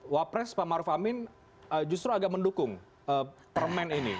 wapres pak maruf amin justru agak mendukung permen ini